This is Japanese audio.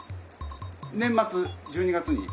年末１２月に。